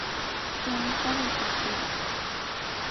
Crónica del partido